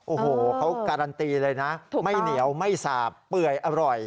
โอ้โหเขาการันตีเลยนะไม่เหนียวไม่สาบเปื่อยอร่อย